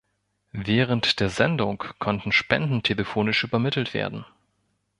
Während der Sendung konnten Spenden telefonisch übermittelt werden.